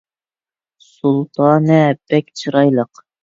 سۇلتانە بەك چىرايلىق